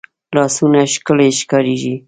لاسونه ښکلې ښکارېږي